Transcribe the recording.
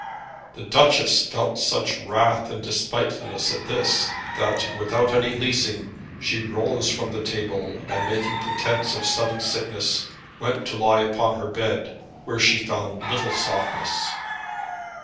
The Duchess felt such wrath and despitefulness at this, that without any leasing she rose from the table, and making pretence of sudden sickness, went to lie upon her bed, where she found little softness.